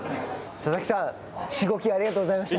佐々木さん、しごき、ありがとうございました。